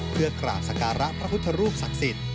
เพื่อกราบสการะพระพุทธรูปศักดิ์สิทธิ์